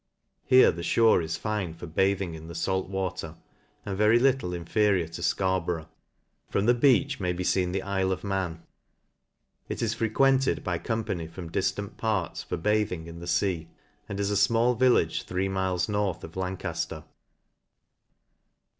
Here the fhore is fine for bathing in the fait water, and very little inferior to Scarborough. From the Beech may be feen the IJle of Man. It is frequented by company from difrant parts for bathing in the fea, and is a fmall village three miles north of Lancajler.